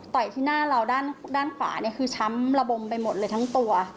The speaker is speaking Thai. ต่อยที่หน้าเราด้านขวาเนี่ยคือช้ำระบมไปหมดเลยทั้งตัว